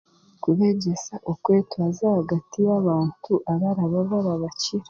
Kubeegyesa okwetwaza ahagati y'abantu abaraba barabakira